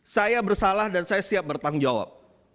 saya bersalah dan saya siap bertanggung jawab